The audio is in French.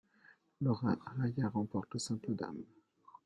Laura Arraya remporte le simple dames.